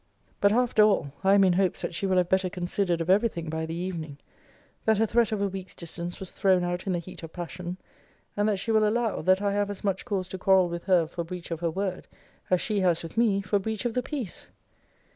But, after all, I am in hopes that she will have better considered of every thing by the evening; that her threat of a week's distance was thrown out in the heat of passion; and that she will allow, that I have as much cause to quarrel with her for breach of her word, as she has with me for breach of the peace.